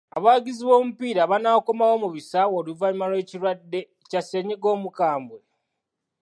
Abawagizi b'omupiira banaakomawo mu bisaawe oluvannyuma lw'ekirwadde kya ssennyiga omukambwe?